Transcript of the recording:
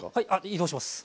移動します